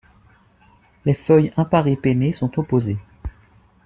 Les feuilles imparipennées sont opposées.